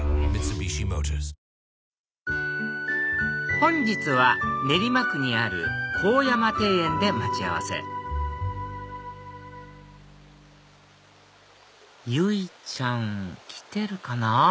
本日は練馬区にある向山庭園で待ち合わせ由依ちゃん来てるかな？